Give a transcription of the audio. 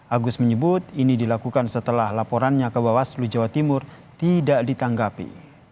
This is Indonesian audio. agus menyebut ini dilakukan setelah laporannya ke bawaslu jawa timur tidak ditanggapi